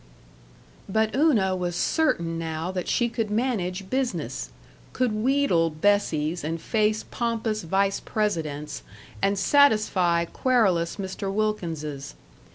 But Una was certain now that she could manage business, could wheedle Bessies and face pompous vice presidents and satisfy querulous Mr. Wilkinses.